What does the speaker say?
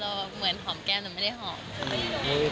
ก็เหมือนหอมแก้มแต่ไม่ได้หอม